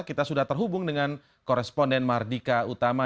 kita sudah terhubung dengan koresponden mardika utama